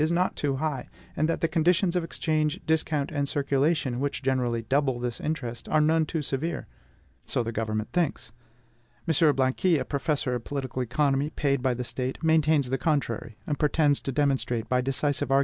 is not too high, and that the conditions of exchange, discount, and circulation, which generally double this interest, are none too severe. So the government thinks. M. Blanqui a professor of political economy, paid by the State maintains the contrary, and pretends to demonstrate, by decisive arguments, the necessity of a reform.